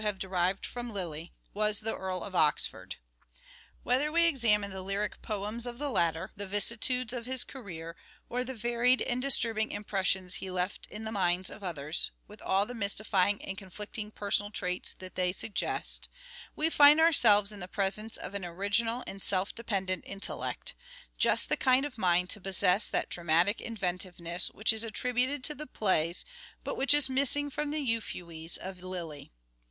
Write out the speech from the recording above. have derived from Lyly, was the Earl of Oxford. Whether we examine the lyric poems of the latter, the vicissitudes of his career, or the varied and disturbing impressions he left in the minds of others, with all the mystifying and conflicting personal traits that they suggest, we find ourselves in the presence of an original and self dependent intellect ; just the kind of mind to possess that dramatic inventiveness which is attributed to the plays but which is missing from the " Euphues " of Lyly.